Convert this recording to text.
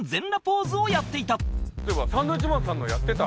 「そういえばサンドウィッチマンさんのやってた」